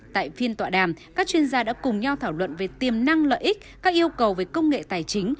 tại phiên tọa đàm các chuyên gia đã cùng nhau thảo luận về tiềm năng lợi ích các yêu cầu về công nghệ tài chính